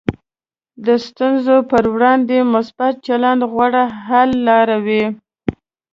د ستونزو پر وړاندې مثبت چلند غوره حل راولي.